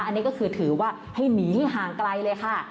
อันนี้ก็คือถือว่าให้หนีให้ห่างไกลเลยค่ะ